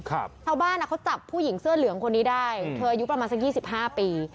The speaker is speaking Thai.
ชาวบ้านเขาจับผู้หญิงเสื้อเหลืองคนนี้ได้เธออายุประมาณสัก๒๕ปี